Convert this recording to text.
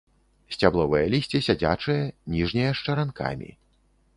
Сцябловае лісце сядзячае, ніжняе з чаранкамі.